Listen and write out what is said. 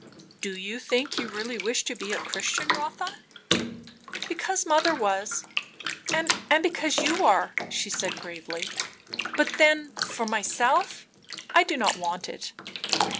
"Do you think you really wish to be a Christian, Rotha?" "Because mother was, and because you are," she said gravely; "but then, for myself, I do not want it."